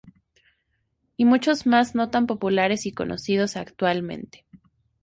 Y muchos más no tan populares y conocidos actualmente.